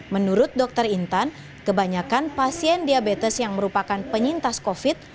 menurut dokter intan kebanyakan pasien diabetes yang merupakan penyintas covid